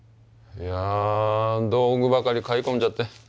いや道具ばかり買い込んじゃって。